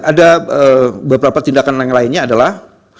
ada beberapa tindakan yang lainnya adalah